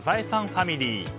ファミリー。